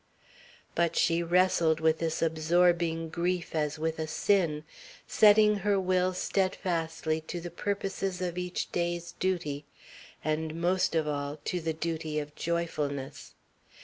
But she wrestled with this absorbing grief as with a sin; setting her will steadfastly to the purposes of each day's duty, and, most of all, to the duty of joyfulness.